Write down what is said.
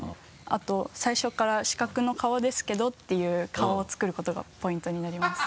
あと「最初から四角の顔ですけど」ていう顔を作ることがポイントになります。